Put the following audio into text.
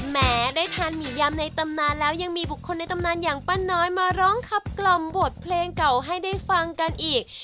แม้ได้ทานหมี่ยำในตำนานแล้วยังมีบุคคลในตำนานอย่างป้าน้อยมาร้องคับกล่อมบทเพลงเก่าให้ได้ฟังกันอีก